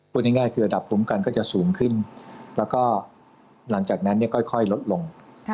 ง่ายคือระดับคุ้มกันก็จะสูงขึ้นแล้วก็หลังจากนั้นค่อยลดลง